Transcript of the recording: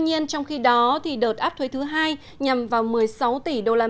mỹ và trung quốc đã bắt đầu vòng đàm phán mới kể từ ngày hôm nay